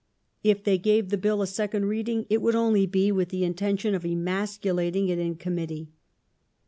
If they gave the Bill a the Crown second reading it would only be with the intention of emasculating it in Committee.